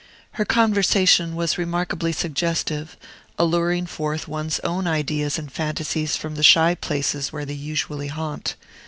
Her conversation was remarkably suggestive, alluring forth one's own ideas and fantasies from the shy places where they usually haunt.